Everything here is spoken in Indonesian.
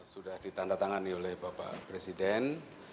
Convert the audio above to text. sudah ditandatangani oleh bapak presiden